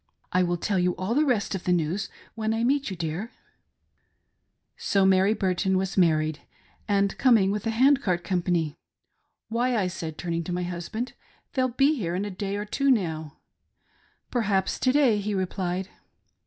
I will tell you all the rest of the news when I meet you, dear " So Mary Burton was married, and coming with the Hand Cart Company. " Why," I said, turning to my husband " they'll be here in a day or two now." r " Perhaps to day," he replied.